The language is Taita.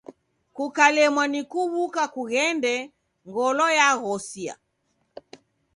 Kukalemwa ni kuw'uka keghende, ngolo yaghosia.